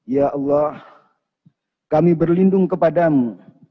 ya allah kami berlindung kepadamu